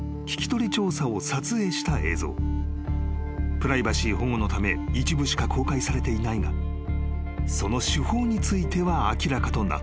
［プライバシー保護のため一部しか公開されていないがその手法については明らかとなっている］